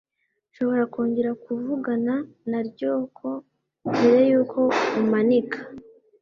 Nshobora kongera kuvugana na Ryoko mbere yuko umanika?